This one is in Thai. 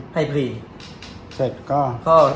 ให้พรีเสร็จก็